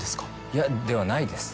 いやではないです。